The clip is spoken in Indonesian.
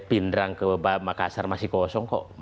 pindrang ke makassar masih kosong kok